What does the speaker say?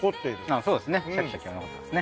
あぁそうですね。シャキシャキは残ってますね。